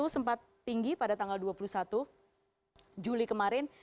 sempat tinggi pada tanggal dua puluh satu juli kemarin